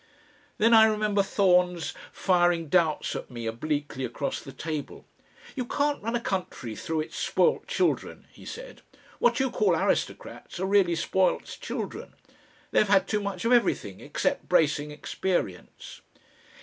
Then I remember Thorns firing doubts at me obliquely across the table. "You can't run a country through its spoilt children," he said. "What you call aristocrats are really spoilt children. They've had too much of everything, except bracing experience."